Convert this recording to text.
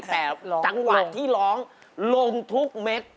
แต่จังหวะที่ร้องลงทุกเม็ด